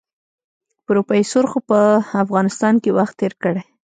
پروفيسر خو په افغانستان کې وخت تېر کړی.